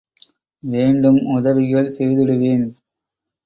வேண்டும் உதவிகள் செய்திடுவேன்.